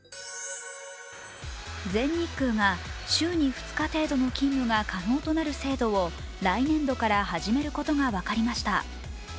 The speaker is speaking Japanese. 全日空が週に２日程度の勤務が可能になる制度を来年度から始めることが分かりました。